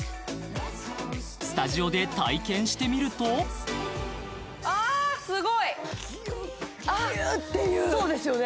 スタジオで体験してみるとぎゅっぎゅっていうそうですよね